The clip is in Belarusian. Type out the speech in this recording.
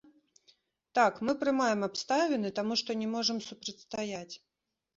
Так, мы прымаем абставіны, таму што не можам супрацьстаяць.